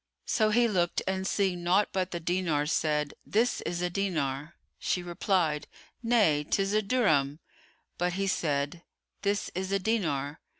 So he looked and seeing naught but the dinar, said, "This is a dinar." She replied, "Nay, 'tis a dirham." But he said, "This is a dinar."